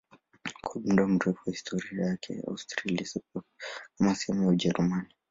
Kwa muda mrefu wa historia yake Austria ilihesabiwa kama sehemu ya Ujerumani.